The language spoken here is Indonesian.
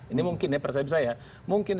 ini mungkin ya persepsi saya mungkin